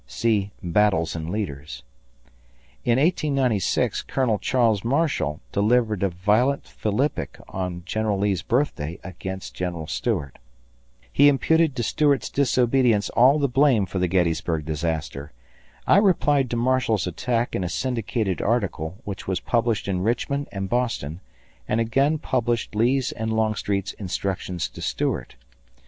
See "Battles and Leaders." ... In 1896 Colonel Charles Marshall delivered a violent philippic on General Lee's birthday against General Stuart. He imputed to Stuart's disobedience all the blame for the Gettysburg disaster. I replied to Marshall's attack in a syndicated article which was published in Richmond and Boston and again published Lee's and Longstreet's instructions to Stuart.